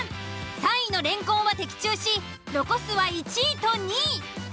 ３位のレンコンは的中し残すは１位と２位。